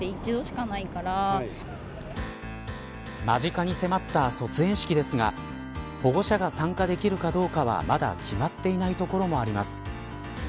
間近に迫った卒園式ですが保護者が参加できるかどうかはまだ決まっていないところもあります。